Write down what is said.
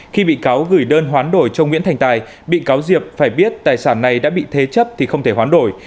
khi bị cáo gửi đơn hoán đổi cho nguyễn thành tài bị cáo diệp phải biết tài sản này đã bị thế chấp thì không thể hoán đổi